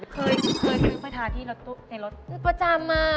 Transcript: เคยเคยเคยไปทานที่รถตู้ในรถประจำมา